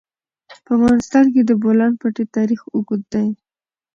په افغانستان کې د د بولان پټي تاریخ اوږد دی.